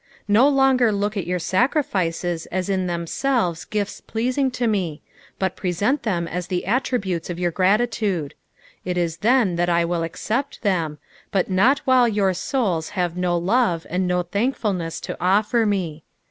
No longer look at your sacrifices as in themselves gifts pleasing to me, but present them as the tributes of your grati tude ; it is Chen that I will accept them, but not while your souls have no love and no thankfulness to offer me.